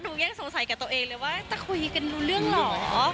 ยังสงสัยกับตัวเองเลยว่าจะคุยกันรู้เรื่องเหรอ